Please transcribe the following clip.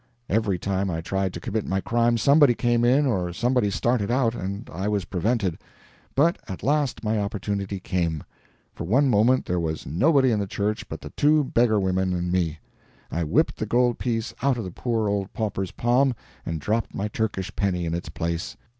Every time I tried to commit my crime somebody came in or somebody started out, and I was prevented; but at last my opportunity came; for one moment there was nobody in the church but the two beggar women and me. I whipped the gold piece out of the poor old pauper's palm and dropped my Turkish penny in its place.